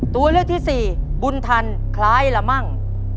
ตัวเลือกที่สี่บุญธรรมคล้ายละมั่ง